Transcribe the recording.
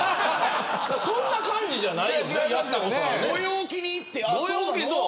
そんな感じじゃなかったよね。